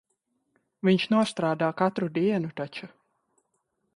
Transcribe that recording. Viņš nostrādā katru dienu taču.